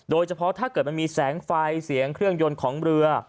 ถ้าเกิดมันมีแสงไฟเสียงเครื่องยนต์ของเรือ